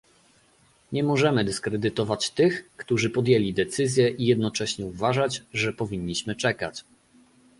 Nie możemy dyskredytować tych, którzy podjęli decyzje i jednocześnie uważać, że powinniśmy czekać